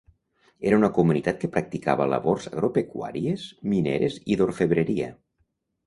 Era una comunitat que practicava labors agropecuàries, mineres i d'orfebreria.